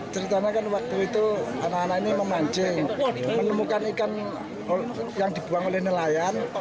ceritanya kan waktu itu anak anak ini memancing menemukan ikan yang dibuang oleh nelayan